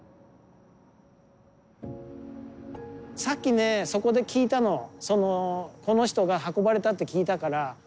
さっきねそこで聞いたのこの人が運ばれたって聞いたから。